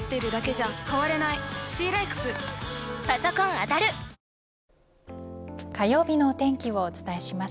東芝火曜日のお天気をお伝えします。